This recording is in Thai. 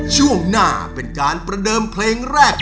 ช่วงหน้าเป็นการประเดิมเพลงแรก